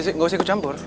ayos gak usah ikut campur